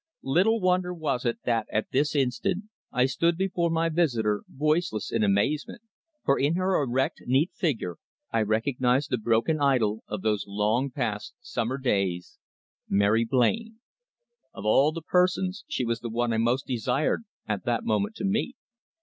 Little wonder was it that at this instant I stood before my visitor voiceless in amazement, for in her erect, neat figure I recognised the broken idol of those long past summer days Mary Blain. Of all persons she was the one I most desired at that moment to meet.